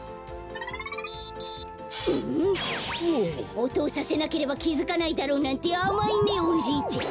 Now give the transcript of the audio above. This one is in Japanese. おとをさせなければきづかないだろうなんてあまいねおじいちゃん。